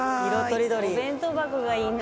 松本：お弁当箱がいいな。